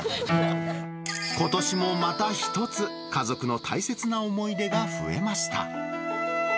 ことしもまた一つ、家族の大切な思い出が増えました。